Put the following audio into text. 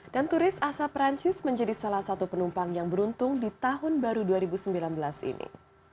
turis asal perancis menjadi salah satu penumpang yang beruntung di tahun baru dua ribu sembilan belas ini